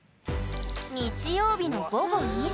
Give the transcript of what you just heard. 日曜日の午後２時。